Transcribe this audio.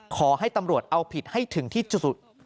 ขอให้ตำรวจเอาผิดให้ถึงที่สุด